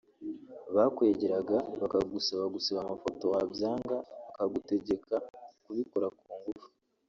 bakwegeraga bakagusaba gusiba amafoto wabyanga bakagutegeka kubikora ku ngufu